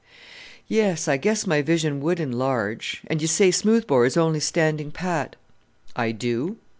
"Yes, I guess my vision would enlarge; and you say Smoothbore is only standing pat?" "I do."